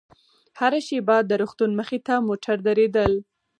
هره شېبه د روغتون مخې ته موټر درېدل.